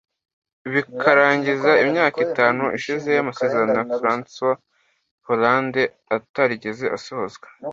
bikarangiza imyaka itanu ishize y’amasezerano ya François Hollande atarigeze asohozwa